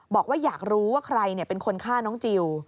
บอกว่าอยากรู้ว่าใครเป็นคนฆ่าน้องจิล